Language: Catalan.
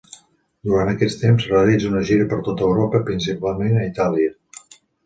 Durant aquest temps realitza una gira per tota Europa, principalment a Itàlia.